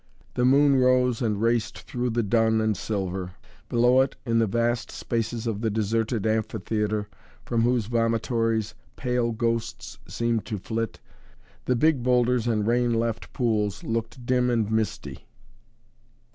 The moon rose and raced through the dun and silver. Below it, in the vast spaces of the deserted amphitheatre, from whose vomitories pale ghosts seemed to flit, the big boulders and rain left pools looked dim and misty.